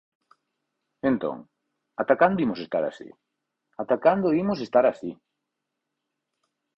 E entón, ¿ata cando imos estar así?, ¿ata cando imos estar así?